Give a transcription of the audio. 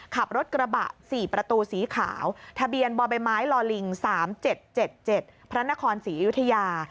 ขับรถกระบะ๔ประตูสีขาวทะเบียนบ่อใบไม้ลอลิง๓๗๗พระนครศรีอยุธยา